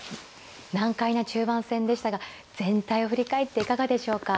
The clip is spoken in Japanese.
難解な中盤戦でしたが全体を振り返っていかがでしょうか。